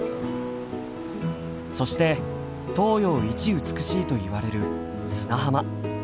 そして東洋一美しいといわれる砂浜。